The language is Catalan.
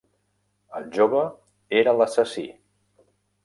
El jove era l'assassí.